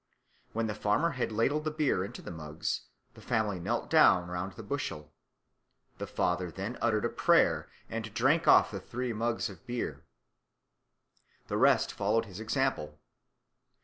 When the farmer had ladled the beer into the mugs, the family knelt down round the bushel. The father then uttered a prayer and drank off the three mugs of beer. The rest followed his example.